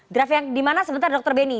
draft yang di mana sebentar dr benny